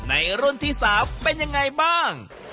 ในรุ่นที่๓เป็นยังไงบ้าง